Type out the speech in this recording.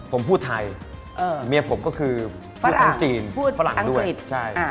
ผมพูดไทยเมียผมก็คือพูดภาษาจีนฟรั่งด้วย